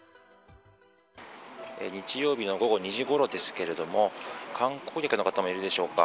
日曜日の午後２時ごろですけれども観光客の方もいるでしょうか。